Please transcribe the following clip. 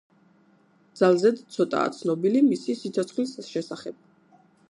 ძალზედ ცოტაა ცნობილი მისი სიცოცხლის შესახებ.